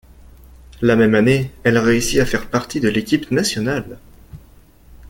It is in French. La même année, elle réussit à faire partie de l’équipe nationale.